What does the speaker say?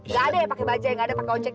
ga ada yang pake baju cook